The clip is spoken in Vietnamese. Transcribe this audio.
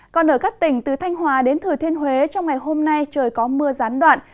còn ở các tỉnh từ thanh hòa đến thừa thiên huế trong ngày hôm nay trời có mưa gián đoạn